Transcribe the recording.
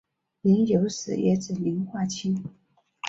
膦有时也专指磷化氢。